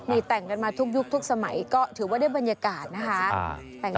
นี่แต่งกันมาทุกยุคทุกสมัยก็ถือว่าได้บรรยากาศนะคะ